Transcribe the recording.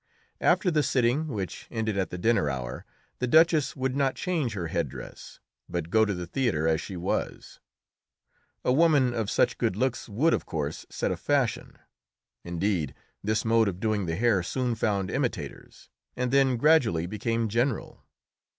After the sitting, which ended at the dinner hour, the Duchess would not change her head dress, but go to the theatre as she was. A woman of such good looks would, of course, set a fashion: indeed, this mode of doing the hair soon found imitators, and then gradually became general.